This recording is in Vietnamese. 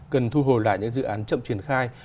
cần thu hồi lại những dự án chậm triển khai